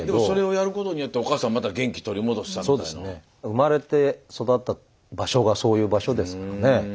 生まれて育った場所がそういう場所ですからね。